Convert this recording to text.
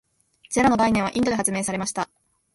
ゼロの概念はインドで発明されました。